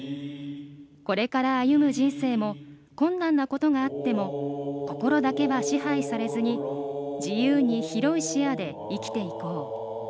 これから歩む人生も困難なことがあっても心だけは支配されずに自由に広い視野で生きていこう。